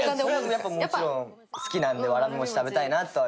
それはもちろん、好きなんでわらびもち食べたいなって。